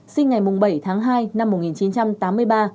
sinh ngày bảy tháng hai năm một nghìn chín trăm tám mươi ba